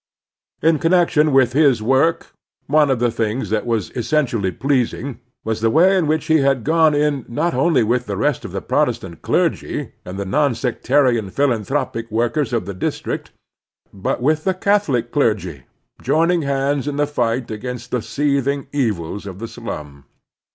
In con nection with his work, one of the things that was especially pleasing was tlie way in which he had 96 The Strenuous Life gone in not only with the rest of the Protestant clergy and the non sectarian philanthropic work ers of the district, but with the Catholic clergy, joining hands in the fight against the seething evils of the slum.